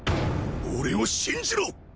俺を信じろ！